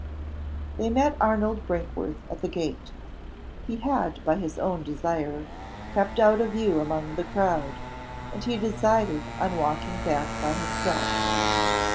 They met Arnold Brinkworth at the gate. He had, by his own desire, kept out of view among the crowd; and he decided on walking back by himself.